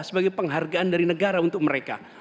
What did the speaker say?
sebagai penghargaan dari negara untuk mereka